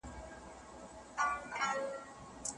خپل ذهن ته هيڅکله د بدو او ګډوډو خیالونو د راتلو اجازه مه ورکوئ.